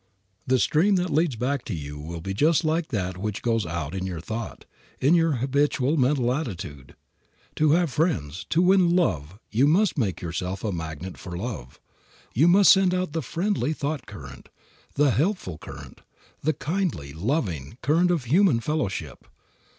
The stream that leads back to you will be just like that which goes out in your thought, in your habitual mental attitude. To have friends, to win love you must make yourself a magnet for love. You must send out the friendly thought current, the helpful current, the kindly, loving current of human fellowship.